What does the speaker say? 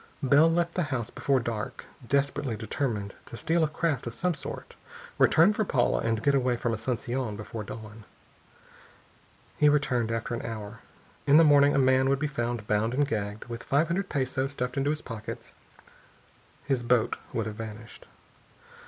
Bell left the house before dusk, desperately determined to steal a craft of some sort, return for Paula, and get away from Asunción before dawn. He returned after an hour. In the morning a man would be found bound and gagged, with five hundred pesos stuffed into his pockets. His boat would have vanished.